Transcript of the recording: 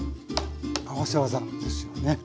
合わせ技ですよね。